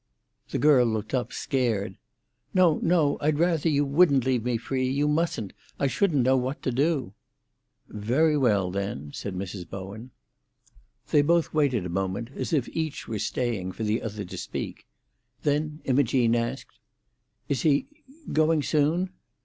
The girl looked up, scared. "No, no; I'd rather you wouldn't leave me free—you mustn't; I shouldn't know what to do." "Very well, then," said Mrs. Bowen. They both waited a moment, as if each were staying for the other to speak. Then Imogene asked, "Is he—going soon?"